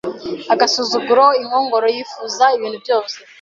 agasuzuguro Inkongoro yifuza ibintu byose